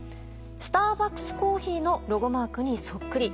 スターバックスコーヒーのロゴマークにそっくり。